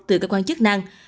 từ cơ quan chức năng